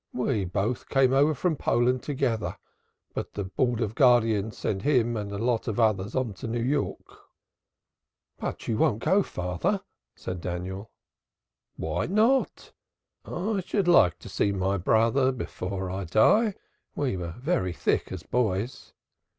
We both came over from Poland together, but the Board of Guardians sent him and a lot of others on to New York." "But you won't go, father!" said Daniel. "Why not? I should like to see my brother before I die. We were very thick as boys."